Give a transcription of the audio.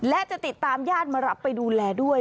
และจะติดตามญาติมารับไปดูแลด้วย